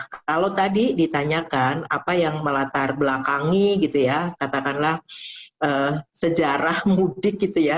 kalau tadi ditanyakan apa yang melatar belakangi katakanlah sejarah mudik